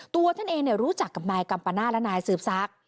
ตัวท่านเองรู้จักกับนายกัมปนาศและนายสืบซัก